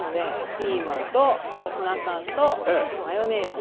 ピーマンとツナ缶とマヨネーズ